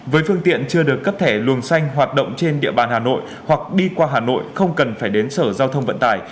với phương tiện chưa được cấp thẻ luồng xanh hoạt động trên địa bàn hà nội hoặc đi qua hà nội không cần phải đến sở giao thông vận tải